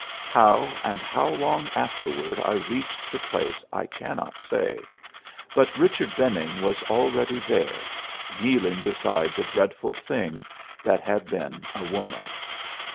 How and how long afterward I reached the place I cannot say, but Richard Benning was already there, kneeling beside the dreadful thing that had been a woman.